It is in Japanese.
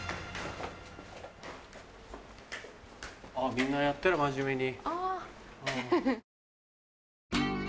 みんなやってる真面目に。